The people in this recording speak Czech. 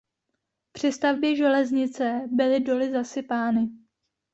Při stavbě železnice byly doly zasypány.